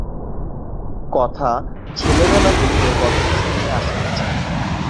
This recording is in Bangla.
কথা-ছেলেবেলা হইতে গল্প শুনিয়া আসিতেছে।